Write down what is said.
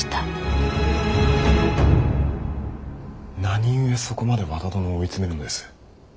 何故そこまで和田殿を追い詰めるのです。